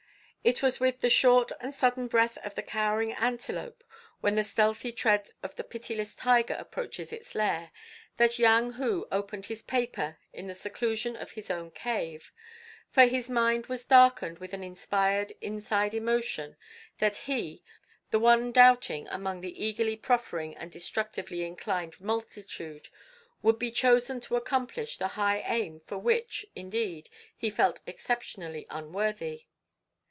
It was with the short and sudden breath of the cowering antelope when the stealthy tread of the pitiless tiger approaches its lair, that Yang Hu opened his paper in the seclusion of his own cave; for his mind was darkened with an inspired inside emotion that he, the one doubting among the eagerly proffering and destructively inclined multitude, would be chosen to accomplish the high aim for which, indeed, he felt exceptionally unworthy.